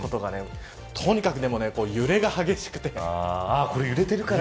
とにかく揺れが激しくて。